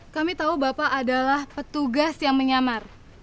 kami tahu bapak adalah petugas yang menyamar